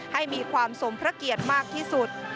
ให้มีความสมพระเกียรติมากที่สุด